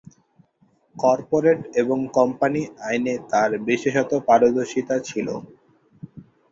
Corporate এবং company আইনে তাঁর বিশেষত পারদর্শিতা ছিল।